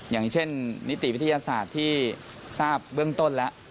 อย่างเช่นนิติวิทยาศาสตร์ที่ทราบเบื้องต้นแล้ว